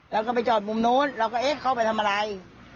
แล้วก็ไปจอดมุมนู้นเราก็เอ๊ะเข้าไปทำอะไร